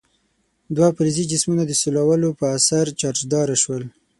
دوه فلزي جسمونه د سولولو په اثر چارجداره شول.